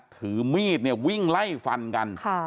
ถือมีดเนี่ยวิ่งไล่ฟันกัน